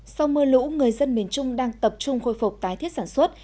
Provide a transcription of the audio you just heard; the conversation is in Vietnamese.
sau mưa lũ người dân miền trung đang tập trung khôi phục tái thiết sản xuất